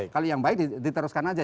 kalau yang baik diteruskan aja